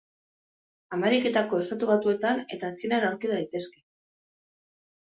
Ameriketako Estatu Batuetan eta Txinan aurki daitezke.